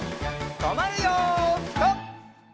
とまるよピタ！